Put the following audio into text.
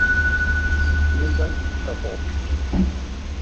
Vielen Dank, Herr Ford.